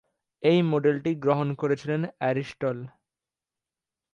এই মডেলটি গ্রহণ করেছিলেন অ্যারিস্টটল।